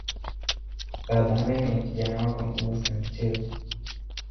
Baba mimi ni Kijana wako mkubwa Santeu